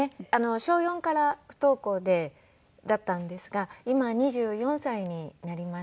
小４から不登校だったんですが今２４歳になりました。